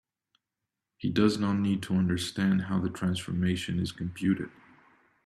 He does not need to understand how the transformation is computed.